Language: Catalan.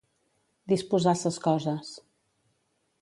Disposar ses coses.